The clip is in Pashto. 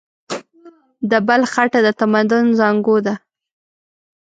د بلخ خټه د تمدن زانګو ده.